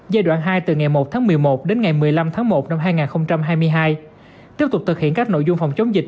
giai đoạn hai từ ngày một tháng một mươi một đến ngày một mươi năm tháng một năm hai nghìn hai mươi hai tiếp tục thực hiện các nội dung phòng chống dịch